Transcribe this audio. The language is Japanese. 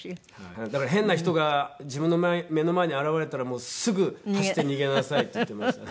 だから「変な人が自分の目の前に現れたらすぐ走って逃げなさい」って言ってましたね。